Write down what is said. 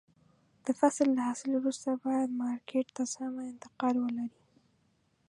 د فصل له حاصل وروسته باید مارکېټ ته سمه انتقال ولري.